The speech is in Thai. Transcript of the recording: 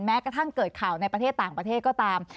แม้กระทั่งเกิดข่าวในประเทศต่างประเทศก็ตาม